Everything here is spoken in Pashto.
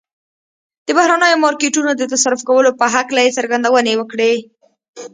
د بهرنيو مارکيټونو د تصرف کولو په هکله يې څرګندونې وکړې.